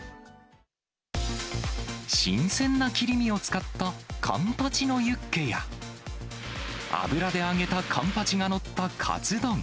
新鮮な切り身を使ったカンパチのユッケや、油で揚げたカンパチが載ったカツ丼。